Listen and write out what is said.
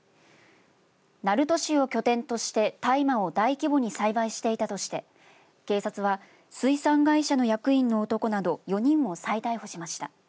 鳴門市を拠点として大麻を大規模に栽培していたとして警察は水産会社の役員の男など４人を再逮捕しました。